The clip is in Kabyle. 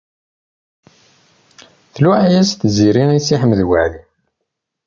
Tluɛa-yas Tiziri i Si Ḥmed Waɛli.